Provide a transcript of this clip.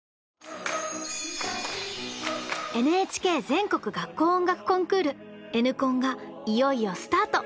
ＮＨＫ全国学校音楽コンクール「Ｎコン」がいよいよスタート！